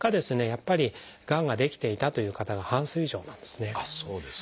やっぱりがんが出来ていたという方が半数以上なんですね。